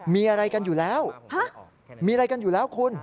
มีอะไรกันอยู่แล้วมีอะไรกันอยู่แล้วคุณ